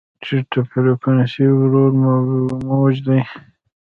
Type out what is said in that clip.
ټیټه فریکونسي ورو موج دی.